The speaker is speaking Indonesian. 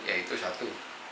ya itu satu